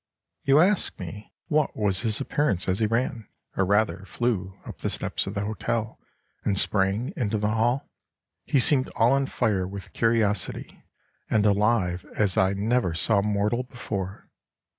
You ask me what was his appearance as he ran, or rather flew, up the steps of the hotel, and sprang into the hall? He seemed all on fire with curiosity, and alive as I never saw mortal before.